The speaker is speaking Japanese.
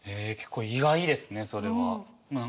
へえ結構意外ですねそれは。